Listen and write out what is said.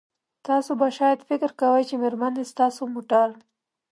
تاسو به شاید فکر کوئ چې میرمنې ستاسو موټر